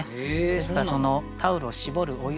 ですからそのタオルを絞るお湯にですね